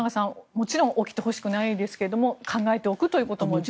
もちろん起きてほしくないですが考えておくということも重要です。